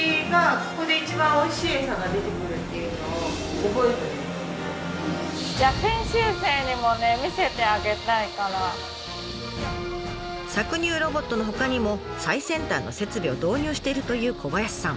すごい！搾乳ロボットのほかにも最先端の設備を導入しているという小林さん。